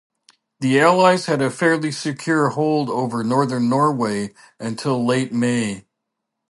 The Allies had a fairly secure hold over northern Norway until late May.